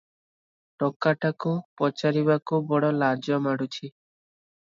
ଟୋକାଟାକୁ ପଚାରିବାକୁ ବଡ଼ ଲାଜ ମାଡ଼ୁଛି ।